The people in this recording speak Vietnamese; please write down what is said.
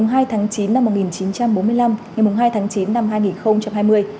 ngày hai tháng chín năm một nghìn chín trăm bốn mươi năm ngày hai tháng chín năm hai nghìn hai mươi